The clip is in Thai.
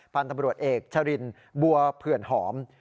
พันธุ์ตำรวจเอกชรินบัวเผื่อนหอม